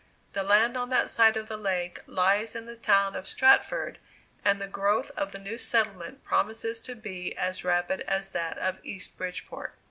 The land on that side of the lake lies in the town of Stratford, and the growth of the new settlement promises to be as rapid as that of East Bridgeport.